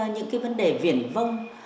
những cái vấn đề viển vâng